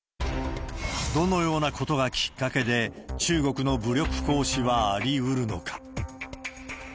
どのようなことがきっかけで、中国の武力行使はありうるのか。